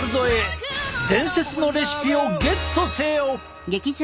伝説のレシピをゲットせよ！